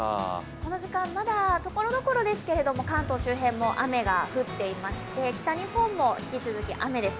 この時間、まだところどころですけれども、関東周辺も雨が降っていまして北日本も引き続き、雨です。